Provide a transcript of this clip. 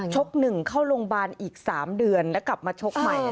๑เข้าโรงพยาบาลอีก๓เดือนแล้วกลับมาชกใหม่